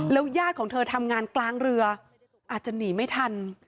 ญาติของเธอทำงานกลางเรืออาจจะหนีไม่ทัน